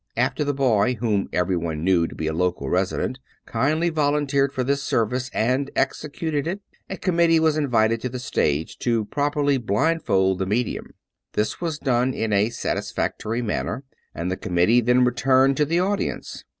After the boy, whom everyone knew to be a local resident, kindly volunteered for this service and executed it, a committee was invited to the stage to properly blindfold the medium. This was done in a satis factory manner, and the committee then returned to the audience.